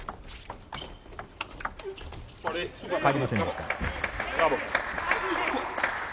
返りませんでした。